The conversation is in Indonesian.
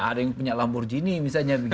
ada yang punya lamborghini misalnya